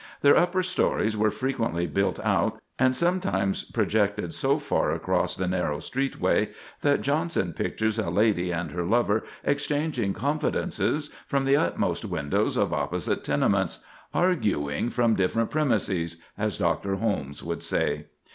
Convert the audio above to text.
Their upper stories were frequently built out, and sometimes projected so far across the narrow streetway that Jonson pictures a lady and her lover exchanging confidences from the topmost windows of opposite tenements—"arguing from different premises," as Dr. Holmes would say.